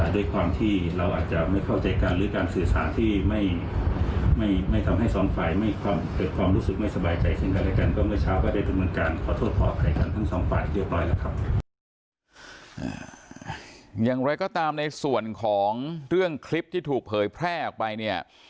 ด้วยความที่เราอาจจะไม่เข้าใจกันหรือการสื่อสารที่ไม่ทำให้สองฝ่าย